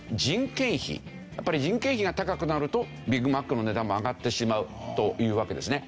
やっぱり人件費が高くなるとビッグマックの値段も上がってしまうというわけですね。